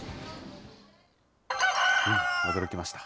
驚きました。